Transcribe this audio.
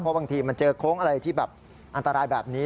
เพราะบางทีมันเจอโค้งอะไรที่แบบอันตรายแบบนี้